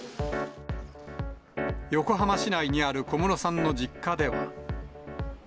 横浜市内にある小室さんの実家では。